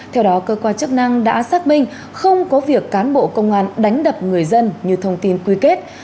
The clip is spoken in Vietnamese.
theo đó cơ quan chức năng đã xác minh không có việc cán bộ công an đánh đập người dân như thông tin quy kết